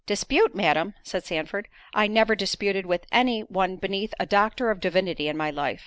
"Dispute, Madam!" said Sandford, "I never disputed with any one beneath a doctor of divinity in my life.